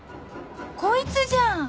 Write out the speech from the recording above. こいつじゃん！